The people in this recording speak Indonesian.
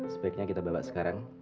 sebaiknya kita bawa sekarang